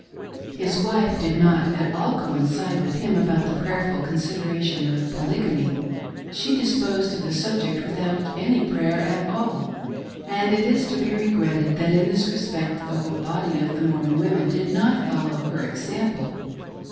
His wife did not at all coincide with him about the prayerful consideration of Polygamy ; she disposed of the subject without any prayer at all, and it is to be regretted that in this respect the whole body of the Mormon women did not follow her example.